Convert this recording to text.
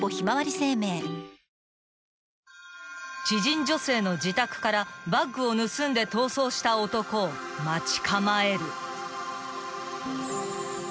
［知人女性の自宅からバッグを盗んで逃走した男を待ち構える］